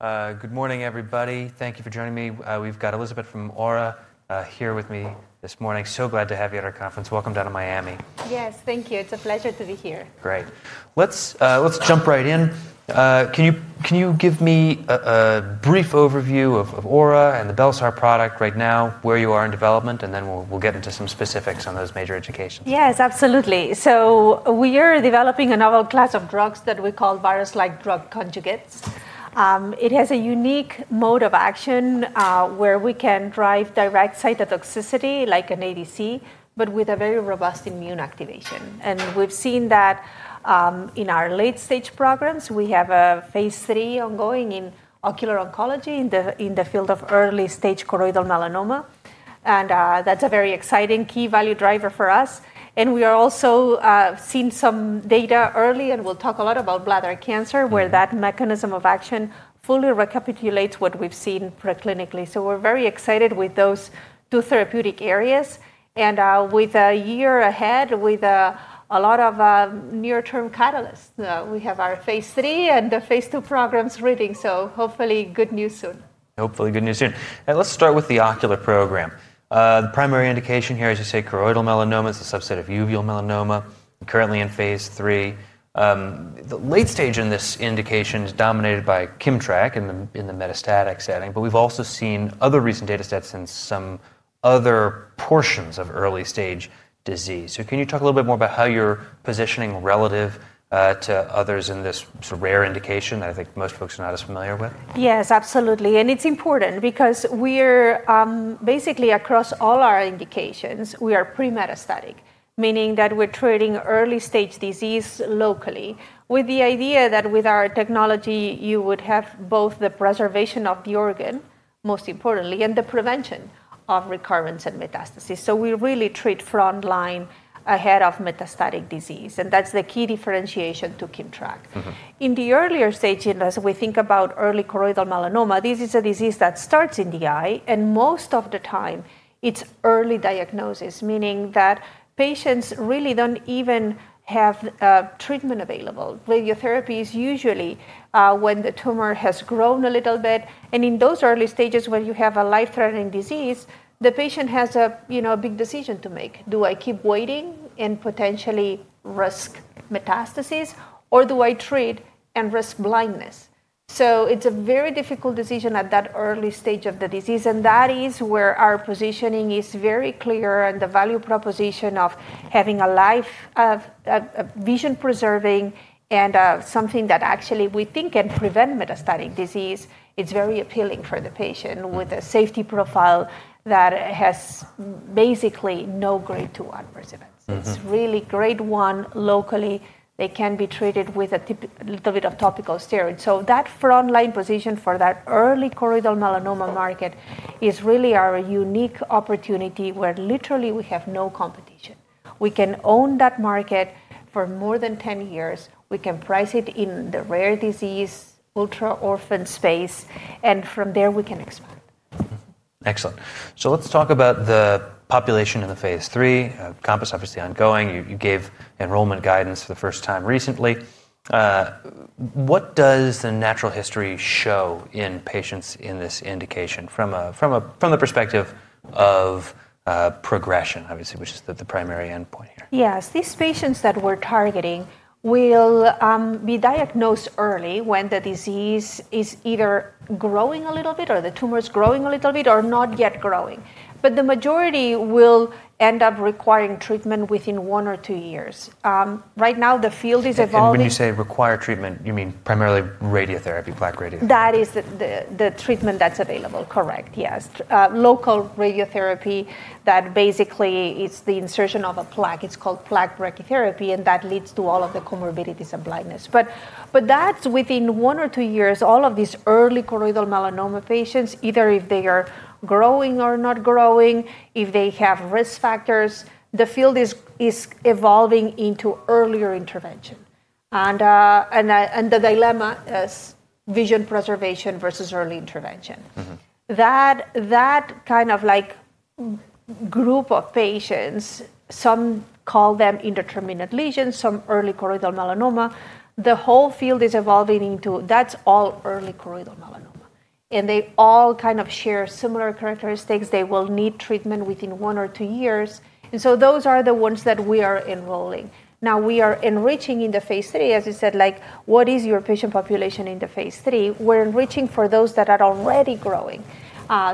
All right. Good morning, everybody. Thank you for joining me. We've got Elisabet from Aura here with me this morning. So glad to have you at our conference. Welcome down to Miami. Yes, thank you. It's a pleasure to be here. Great. Let's jump right in. Can you give me a brief overview of Aura and the Bel-sar product right now, where you are in development, and then we'll get into some specifics on those major indications? Yes, absolutely. We are developing a novel class of drugs that we call Virus-like Drug Conjugates. It has a unique mode of action where we can drive direct cytotoxicity, like an ADC, but with a very robust immune activation. We have seen that in our late-stage programs. We have a phase III ongoing in ocular oncology in the field of early-stage choroidal melanoma. That is a very exciting key value driver for us. We are also seeing some data early, and we will talk a lot about bladder cancer, where that mechanism of action fully recapitulates what we have seen preclinically. We are very excited with those two therapeutic areas and with a year ahead with a lot of near-term catalysts. We have our phase III and the phase II programs reading. Hopefully, good news soon. Hopefully, good news soon. Let's start with the ocular program. The primary indication here, as you say, choroidal melanoma, it's a subset of uveal melanoma, currently in phase III. The late stage in this indication is dominated by KIMMTRAK in the metastatic setting, but we've also seen other recent data sets in some other portions of early-stage disease. Can you talk a little bit more about how you're positioning relative to others in this rare indication that I think most folks are not as familiar with? Yes, absolutely. It's important because we're basically across all our indications, we are pre-metastatic, meaning that we're treating early-stage disease locally with the idea that with our technology, you would have both the preservation of the organ, most importantly, and the prevention of recurrence and metastasis. We really treat frontline ahead of metastatic disease. That's the key differentiation to KIMMTRAK. In the earlier stage, as we think about early choroidal melanoma, this is a disease that starts in the eye. Most of the time, it's early diagnosis, meaning that patients really don't even have treatment available. Radiotherapy is usually when the tumor has grown a little bit. In those early stages where you have a life-threatening disease, the patient has a big decision to make. Do I keep waiting and potentially risk metastasis, or do I treat and risk blindness? It is a very difficult decision at that early stage of the disease. That is where our positioning is very clear and the value proposition of having a life vision-preserving and something that actually we think can prevent metastatic disease. It is very appealing for the patient with a safety profile that has basically no Grade 2 adverse events. It is really Grade 1 locally. They can be treated with a little bit of topical steroids. That frontline position for that early choroidal melanoma market is really our unique opportunity where literally we have no competition. We can own that market for more than 10 years. We can price it in the rare disease ultra-orphan space. From there, we can expand. Excellent. Let's talk about the population in the phase III. CoMpass, obviously, ongoing. You gave enrollment guidance for the first time recently. What does the natural history show in patients in this indication from the perspective of progression, obviously, which is the primary endpoint here? Yes. These patients that we're targeting will be diagnosed early when the disease is either growing a little bit or the tumor is growing a little bit or not yet growing. The majority will end up requiring treatment within one or two years. Right now, the field is evolving. When you say require treatment, you mean primarily radiotherapy, plaque brachytherapy? That is the treatment that's available. Correct. Yes. Local radiotherapy that basically is the insertion of a plaque. It's called plaque brachytherapy, and that leads to all of the comorbidities of blindness. That's within one or two years. All of these early choroidal melanoma patients, either if they are growing or not growing, if they have risk factors, the field is evolving into earlier intervention. The dilemma is vision preservation versus early intervention. That kind of group of patients, some call them indeterminate lesions, some early choroidal melanoma, the whole field is evolving into that's all early choroidal melanoma. They all kind of share similar characteristics. They will need treatment within one or two years. Those are the ones that we are enrolling. Now, we are enriching in the phase III, as you said, like what is your patient population in the phase III? We're enriching for those that are already growing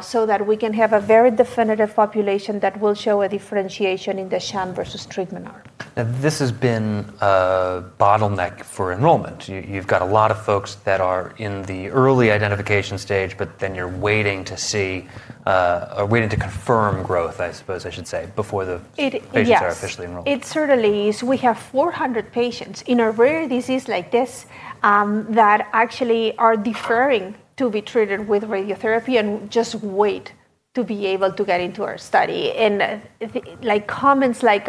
so that we can have a very definitive population that will show a differentiation in the sham versus treatment arc. Now, this has been a bottleneck for enrollment. You've got a lot of folks that are in the early identification stage, but then you're waiting to see or waiting to confirm growth, I suppose I should say, before the patients are officially enrolled. It certainly is. We have 400 patients in a rare disease like this that actually are deferring to be treated with radiotherapy and just wait to be able to get into our study. Comments like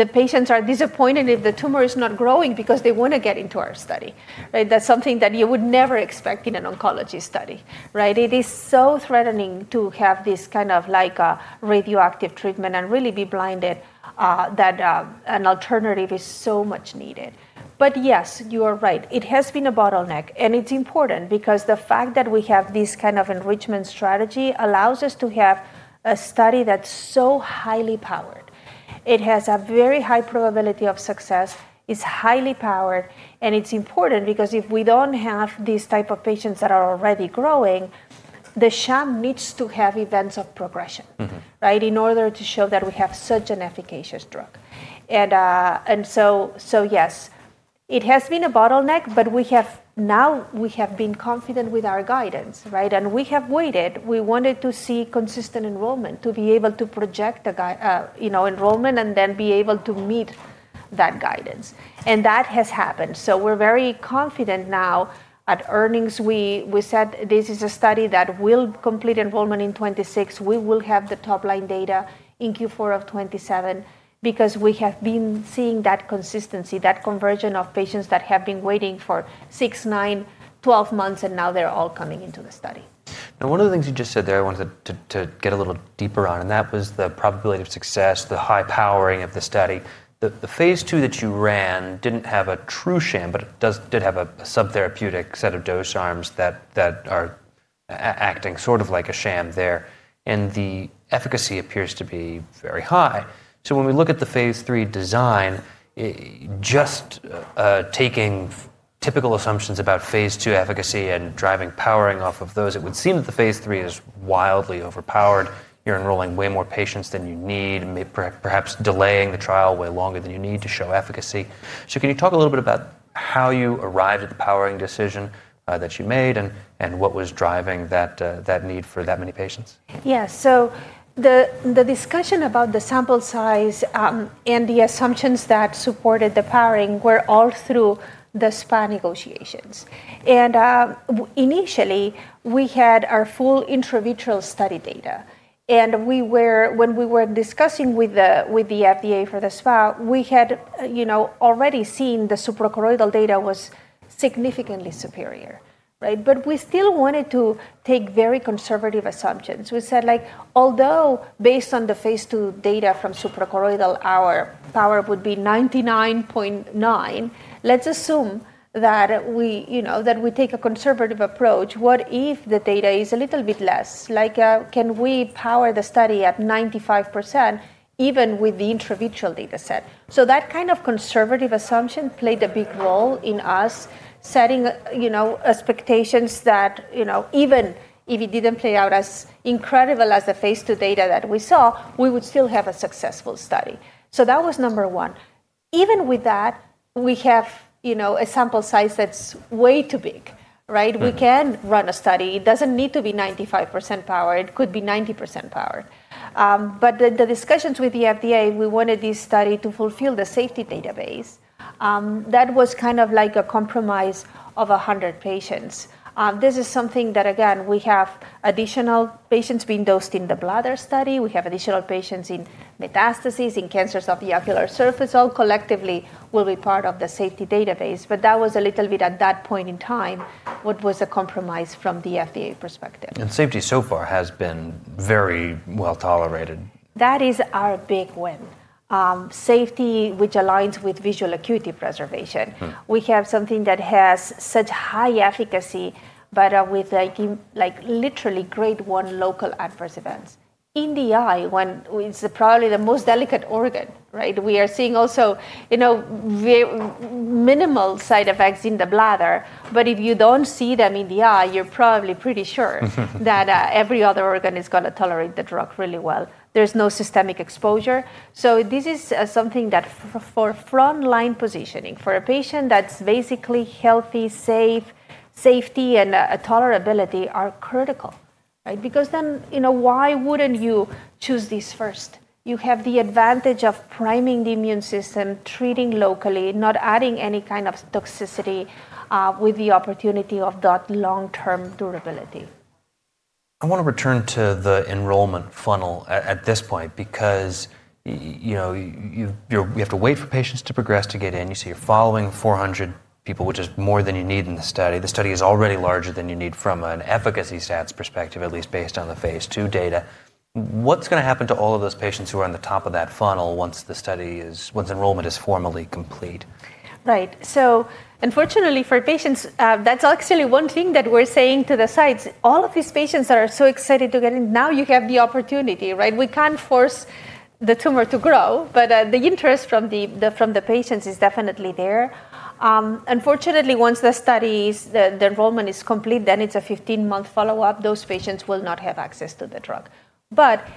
the patients are disappointed if the tumor is not growing because they want to get into our study. That is something that you would never expect in an oncology study. It is so threatening to have this kind of radioactive treatment and really be blinded that an alternative is so much needed. Yes, you are right. It has been a bottleneck. It is important because the fact that we have this kind of enrichment strategy allows us to have a study that is so highly powered. It has a very high probability of success. It is highly powered. It is important because if we do not have these type of patients that are already growing, the sham needs to have events of progression in order to show that we have such an efficacious drug. Yes, it has been a bottleneck, but now we have been confident with our guidance. We have waited. We wanted to see consistent enrollment to be able to project enrollment and then be able to meet that guidance. That has happened. We are very confident now at earnings. We said this is a study that will complete enrollment in 2026. We will have the top-line data in Q4 of 2027 because we have been seeing that consistency, that conversion of patients that have been waiting for 6, 9, 12 months, and now they are all coming into the study. Now, one of the things you just said there I wanted to get a little deeper on, and that was the probability of success, the high powering of the study. The phase II that you ran didn't have a true sham, but it did have a subtherapeutic set of dose arms that are acting sort of like a sham there. And the efficacy appears to be very high. When we look at the phase III design, just taking typical assumptions about phase II efficacy and driving powering off of those, it would seem that the phase III is wildly overpowered. You're enrolling way more patients than you need, perhaps delaying the trial way longer than you need to show efficacy. Can you talk a little bit about how you arrived at the powering decision that you made and what was driving that need for that many patients? Yes. The discussion about the sample size and the assumptions that supported the powering were all through the SPA negotiations. Initially, we had our full intravitreal study data. When we were discussing with the FDA for the SPA, we had already seen the suprachoroidal data was significantly superior. We still wanted to take very conservative assumptions. We said, although based on the phase II data from suprachoroidal, our power would be 99.9%, let's assume that we take a conservative approach. What if the data is a little bit less? Can we power the study at 95% even with the intravitreal data set? That kind of conservative assumption played a big role in us setting expectations that even if it did not play out as incredible as the phase II data that we saw, we would still have a successful study. That was number one. Even with that, we have a sample size that's way too big. We can run a study. It doesn't need to be 95% power. It could be 90% power. The discussions with the FDA, we wanted this study to fulfill the safety database. That was kind of like a compromise of 100 patients. This is something that, again, we have additional patients being dosed in the bladder study. We have additional patients in metastases, in cancers of the ocular surface. All collectively will be part of the safety database. That was a little bit at that point in time what was a compromise from the FDA perspective. Safety so far has been very well tolerated. That is our big win. Safety, which aligns with visual acuity preservation. We have something that has such high efficacy, but with literally Grade I local adverse events. In the eye, it's probably the most delicate organ. We are seeing also minimal side effects in the bladder. If you don't see them in the eye, you're probably pretty sure that every other organ is going to tolerate the drug really well. There's no systemic exposure. This is something that for frontline positioning for a patient that's basically healthy, safe, safety and tolerability are critical. Because then why wouldn't you choose this first? You have the advantage of priming the immune system, treating locally, not adding any kind of toxicity with the opportunity of that long-term durability. I want to return to the enrollment funnel at this point because we have to wait for patients to progress to get in. You say you're following 400 people, which is more than you need in the study. The study is already larger than you need from an efficacy stats perspective, at least based on the phase II data. What's going to happen to all of those patients who are on the top of that funnel once the study is once enrollment is formally complete? Right. So unfortunately for patients, that's actually one thing that we're saying to the sites. All of these patients that are so excited to get in, now you have the opportunity. We can't force the tumor to grow, but the interest from the patients is definitely there. Unfortunately, once the study, the enrollment is complete, then it's a 15-month follow-up. Those patients will not have access to the drug.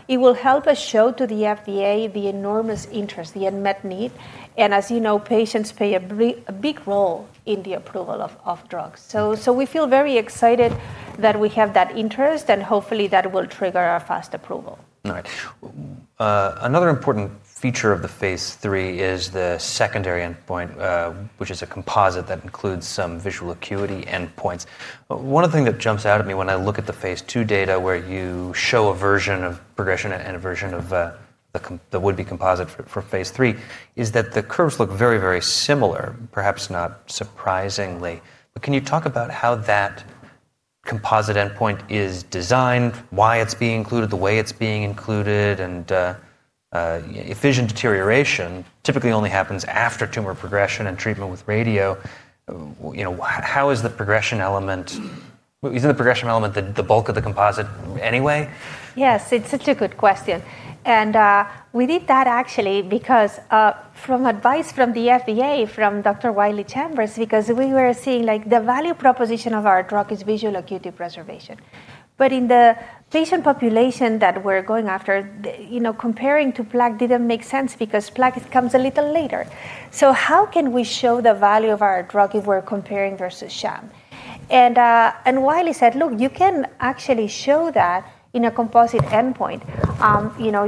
It will help us show to the FDA the enormous interest, the unmet need. As you know, patients play a big role in the approval of drugs. We feel very excited that we have that interest. Hopefully, that will trigger our fast approval. All right. Another important feature of the phase III is the secondary endpoint, which is a composite that includes some visual acuity endpoints. One of the things that jumps out at me when I look at the phase II data where you show a version of progression and a version of the would-be composite for phase III is that the curves look very, very similar, perhaps not surprisingly. Can you talk about how that composite endpoint is designed, why it's being included, the way it's being included? If vision deterioration typically only happens after tumor progression and treatment with radio, how is the progression element—isn't the progression element the bulk of the composite anyway? Yes. It's such a good question. We did that actually because from advice from the FDA, from Dr. Wiley Chambers, because we were seeing the value proposition of our drug is visual acuity preservation. In the patient population that we're going after, comparing to plaque didn't make sense because plaque comes a little later. How can we show the value of our drug if we're comparing versus sham? Wiley said, look, you can actually show that in a composite endpoint.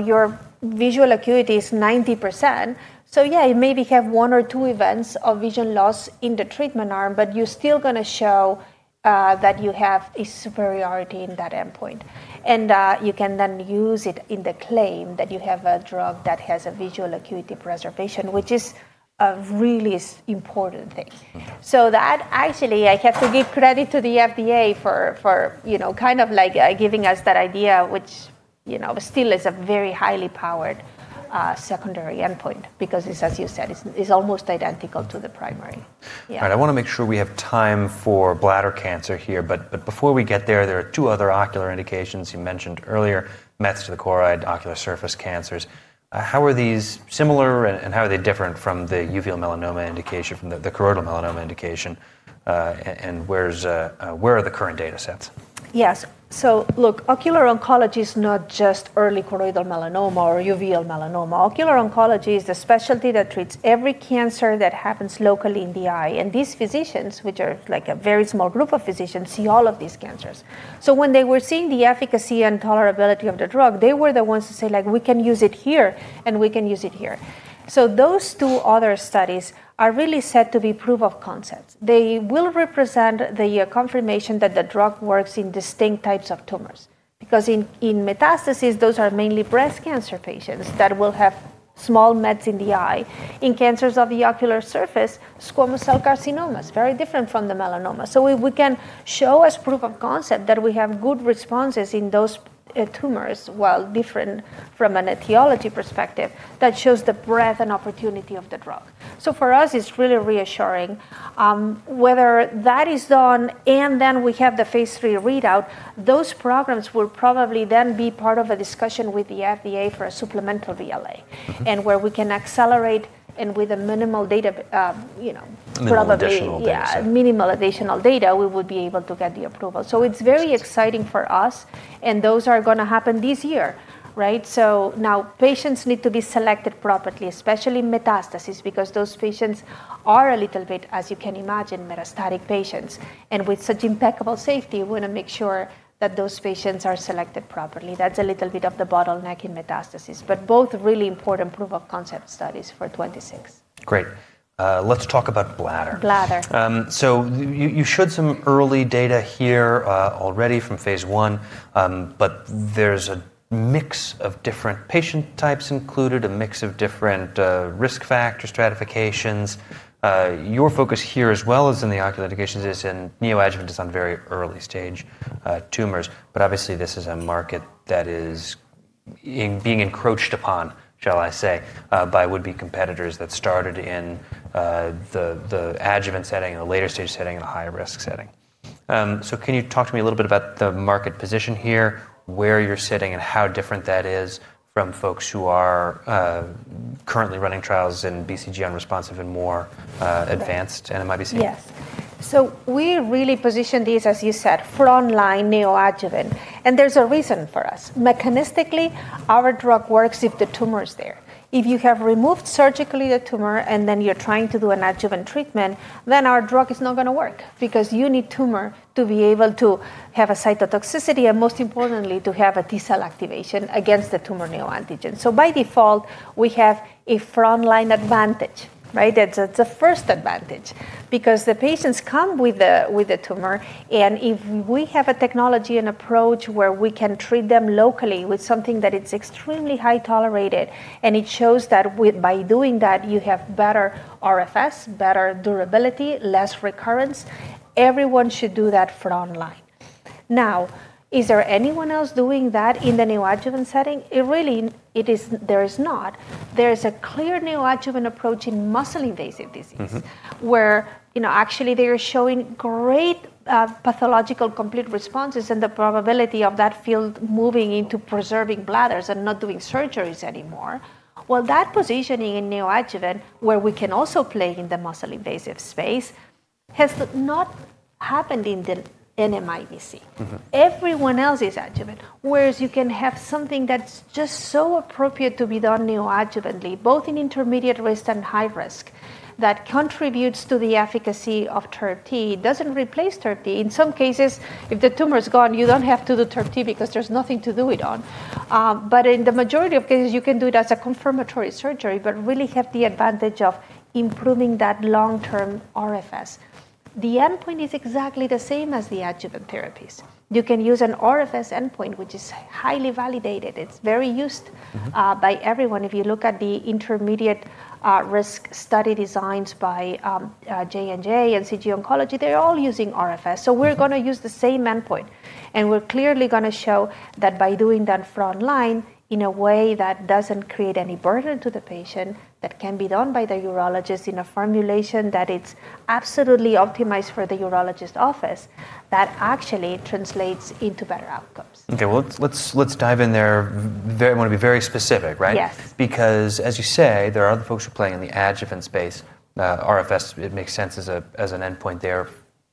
Your visual acuity is 90%. You maybe have one or two events of vision loss in the treatment arm, but you're still going to show that you have a superiority in that endpoint. You can then use it in the claim that you have a drug that has a visual acuity preservation, which is a really important thing. That actually, I have to give credit to the FDA for kind of giving us that idea, which still is a very highly powered secondary endpoint because it's, as you said, it's almost identical to the primary. All right. I want to make sure we have time for bladder cancer here. Before we get there, there are two other ocular indications you mentioned earlier, metastatic and ocular surface cancers. How are these similar and how are they different from the uveal melanoma indication, from the choroidal melanoma indication? Where are the current data sets? Yes. Look, ocular oncology is not just early choroidal melanoma or uveal melanoma. Ocular oncology is a specialty that treats every cancer that happens locally in the eye. These physicians, which are like a very small group of physicians, see all of these cancers. When they were seeing the efficacy and tolerability of the drug, they were the ones to say, we can use it here and we can use it here. Those two other studies are really set to be proof of concept. They will represent the confirmation that the drug works in distinct types of tumors. Because in metastasis, those are mainly breast cancer patients that will have small mets in the eye. In cancers of the ocular surface, squamous cell carcinomas, very different from the melanoma. We can show as proof of concept that we have good responses in those tumors, while different from an etiology perspective, that shows the breadth and opportunity of the drug. For us, it's really reassuring. Whether that is done and then we have the phase III readout, those programs will probably then be part of a discussion with the FDA for a supplemental BLA and where we can accelerate and with minimal data. Minimal additional data. Minimal additional data, we would be able to get the approval. It is very exciting for us. Those are going to happen this year. Now patients need to be selected properly, especially metastasis, because those patients are a little bit, as you can imagine, metastatic patients. With such impeccable safety, we want to make sure that those patients are selected properly. That is a little bit of the bottleneck in metastasis. Both are really important proof of concept studies for 2026. Great. Let's talk about bladder. Bladder. You showed some early data here already from phase I. There is a mix of different patient types included, a mix of different risk factor stratifications. Your focus here, as well as in the ocular indications, is in neoadjuvant just on very early stage tumors. Obviously, this is a market that is being encroached upon, shall I say, by would-be competitors that started in the adjuvant setting, in the later stage setting, in the high-risk setting. Can you talk to me a little bit about the market position here, where you're sitting, and how different that is from folks who are currently running trials in BCG unresponsive and more advanced NMIBC? Yes. We really position this, as you said, frontline neoadjuvant. There is a reason for us. Mechanistically, our drug works if the tumor is there. If you have removed surgically the tumor and then you're trying to do an adjuvant treatment, then our drug is not going to work because you need tumor to be able to have a cytotoxicity and, most importantly, to have a T cell activation against the tumor neoantigen. By default, we have a frontline advantage. That's a first advantage because the patients come with the tumor. If we have a technology and approach where we can treat them locally with something that is extremely high tolerated and it shows that by doing that, you have better RFS, better durability, less recurrence, everyone should do that frontline. Now, is there anyone else doing that in the neoadjuvant setting? Really, there is not. There is a clear neoadjuvant approach in muscle invasive disease where actually they are showing great pathological complete responses and the probability of that field moving into preserving bladders and not doing surgeries anymore. That positioning in neoadjuvant where we can also play in the muscle invasive space has not happened in the NMIBC. Everyone else is adjuvant, whereas you can have something that's just so appropriate to be done neoadjuvantly, both in intermediate risk and high risk, that contributes to the efficacy of TURBT, doesn't replace TURBT. In some cases, if the tumor is gone, you don't have to do TURBT because there's nothing to do it on. In the majority of cases, you can do it as a confirmatory surgery but really have the advantage of improving that long-term RFS. The endpoint is exactly the same as the adjuvant therapies. You can use an RFS endpoint, which is highly validated. It's very used by everyone. If you look at the intermediate risk study designs by J&J and CG Oncology, they're all using RFS. We're going to use the same endpoint. We're clearly going to show that by doing that frontline in a way that doesn't create any burden to the patient, that can be done by the urologist in a formulation that is absolutely optimized for the urologist's office, that actually translates into better outcomes. OK. Let's dive in there. I want to be very specific, right? Yes. Because as you say, there are other folks who are playing in the adjuvant space. RFS, it makes sense as an endpoint there,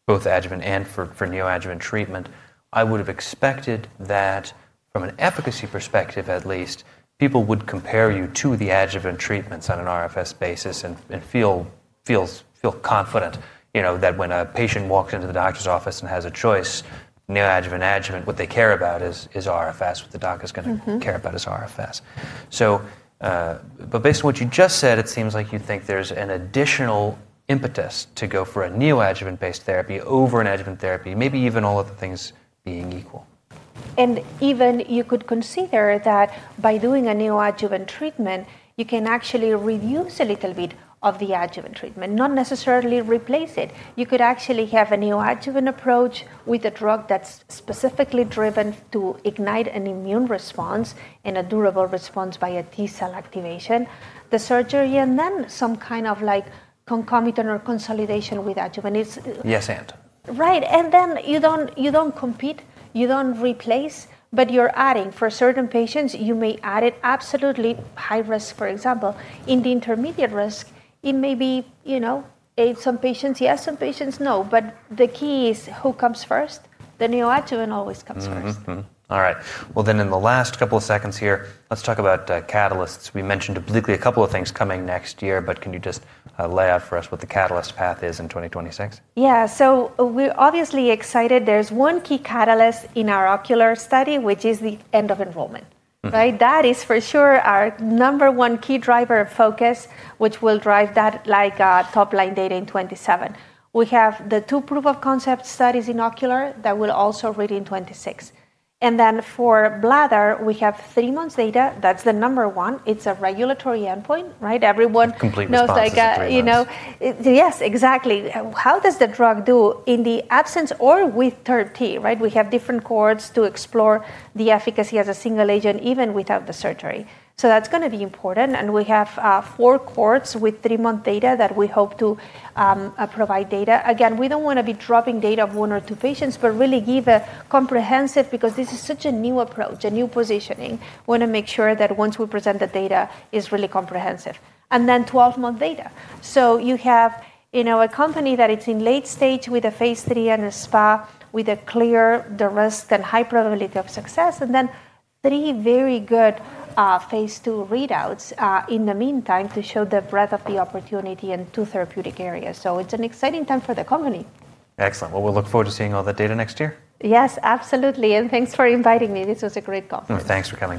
both adjuvant and for neoadjuvant treatment. I would have expected that from an efficacy perspective, at least, people would compare you to the adjuvant treatments on an RFS basis and feel confident that when a patient walks into the doctor's office and has a choice, neoadjuvant, adjuvant, what they care about is RFS, what the doctor is going to care about is RFS. Based on what you just said, it seems like you think there's an additional impetus to go for a neoadjuvant-based therapy over an adjuvant therapy, maybe even all of the things being equal. You could consider that by doing a neoadjuvant treatment, you can actually reduce a little bit of the adjuvant treatment, not necessarily replace it. You could actually have a neoadjuvant approach with a drug that's specifically driven to ignite an immune response and a durable response by a T cell activation, the surgery, and then some kind of concomitant or consolidation with adjuvant. Yes, and. Right. You do not compete. You do not replace. You are adding. For certain patients, you may add it, absolutely high risk. For example, in the intermediate risk, it may be some patients yes, some patients no. The key is who comes first. The neoadjuvant always comes first. All right. In the last couple of seconds here, let's talk about catalysts. We mentioned obliquely a couple of things coming next year. Can you just lay out for us what the catalyst path is in 2026? Yeah. We are obviously excited. There is one key catalyst in our ocular study, which is the end of enrollment. That is for sure our number one key driver of focus, which will drive that top line data in 2027. We have the two proof of concept studies in ocular that will also read in 2026. For bladder, we have three months data. That is the number one. It is a regulatory endpoint. Everyone. Completely sponsored by. Yes, exactly. How does the drug do in the absence or with TURBT? We have different cohorts to explore the efficacy as a single agent even without the surgery. That is going to be important. We have four cohorts with three-month data that we hope to provide data. Again, we do not want to be dropping data of one or two patients, but really give a comprehensive because this is such a new approach, a new positioning. We want to make sure that once we present the data, it is really comprehensive. There is 12-month data. You have in our company that it is in late stage with a phase III and a SPA with a clear risk and high probability of success, and then three very good phase II readouts in the meantime to show the breadth of the opportunity in two therapeutic areas. It is an exciting time for the company. Excellent. We'll look forward to seeing all that data next year. Yes, absolutely. Thanks for inviting me. This was a great conference. Thanks for coming.